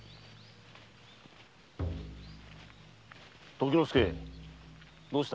時之介どうした。